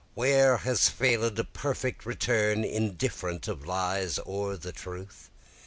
Where has fail'd a perfect return indifferent of lies or the truth?